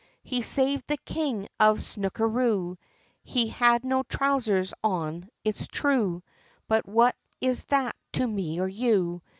He saved the King of Snookaroo, he had no trowsers on, its thrue, But what is that to me or you?